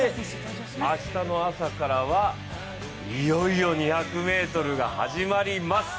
明日の朝からは、いよいよ２００ｍが始まります。